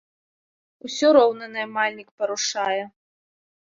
Усё роўна наймальнік парушае.